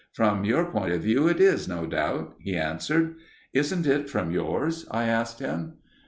"From your point of view it is, no doubt," he answered. "Isn't it from yours?" I asked him.